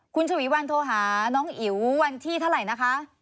คุณฉวีวันโทรหาน้องอิ๋ววันที่เท่าไหร่นะคะ